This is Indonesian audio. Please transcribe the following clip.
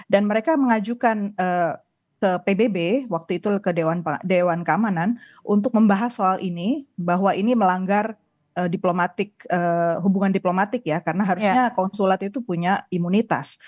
dan mereka mengajukan ke pbb waktu itu ke dewan keamanan untuk membahas soal ini bahwa ini melanggar diplomatik hubungan diplomatik ya karena harusnya konsulat itu punya imunitas